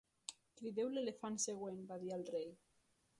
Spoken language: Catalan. "Crideu l'elefant següent!", va dir el rei.